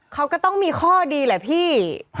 เขาก็ต้องมีข้อดีแหละพี่